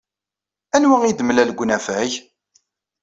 Anwa ay d-temlal deg unafag?